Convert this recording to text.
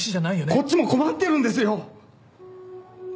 こっちも困ってるんですよ！